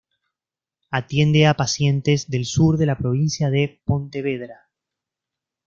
Atiende a pacientes del sur de la provincia de Pontevedra.